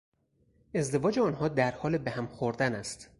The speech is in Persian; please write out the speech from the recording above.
ازدواج آنها در حال به هم خوردن است.